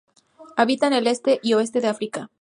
Habita en el este y oeste de África.